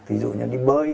thí dụ như đi bơi